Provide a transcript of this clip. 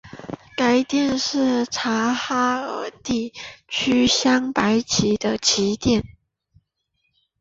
该庙是察哈尔地区镶白旗的旗庙。